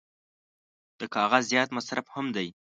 د کاغذ زیات مصرف هم دی.